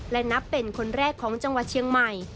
และนับเป็นคนแรกของจังหวัดเชียงใหม่